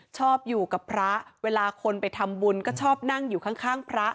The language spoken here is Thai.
ชอบอยู่กับพระเวลาคนไปทำบุญก็ชอบนั่งอยู่ข้างพระ